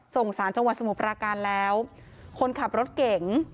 ส่งสารจังหวัดสมุทรปราการแล้วคนขับรถเก่ง